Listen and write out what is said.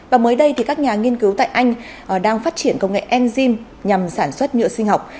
và mới đây thì các nhà nghiên cứu tại anh đang phát triển công nghệ enzym nhằm sản xuất nhựa sinh học